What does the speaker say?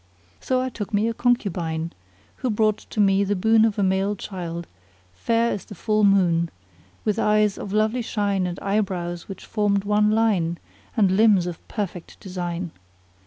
So I took me a concubine[FN#45] who brought to me the boon of a male child fair as the full moon, with eyes of lovely shine and eyebrows which formed one line, and limbs of perfect design.